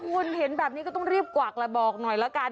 คุณเห็นแบบนี้ก็ต้องรีบกวากระบอกหน่อยละกัน